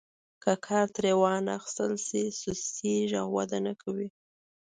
که کار ترې وانخیستل شي سستیږي او وده نه کوي.